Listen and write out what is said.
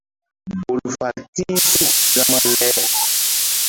Bol fal ti̧h suk gama le.